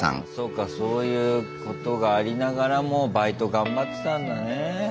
そういうことがありながらもバイト頑張ってたんだね。